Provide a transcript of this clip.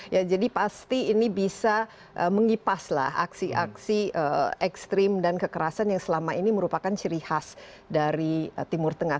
ya jadi pasti ini bisa mengipaslah aksi aksi ekstrim dan kekerasan yang selama ini merupakan ciri khas dari timur tengah